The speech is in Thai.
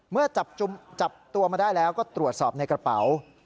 เมื่อจับตัวมาได้แล้วก็ตรวจสอบในกระเป๋า